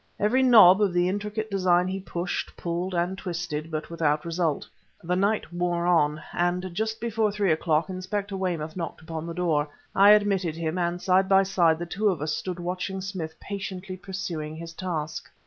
Every knob of the intricate design he pushed, pulled and twisted; but without result. The night wore on, and just before three o'clock Inspector Weymouth knocked upon the door. I admitted him, and side by side the two of us stood watching Smith patiently pursuing his task.